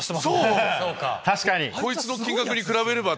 こいつの金額に比べれば！